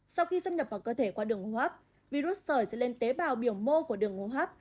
sau khi xâm nhập vào cơ thể qua đường hô hấp virus sởi sẽ lên tế bào biểu mô của đường hô hấp